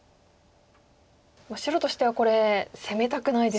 白としてはこれ攻めたくないですか？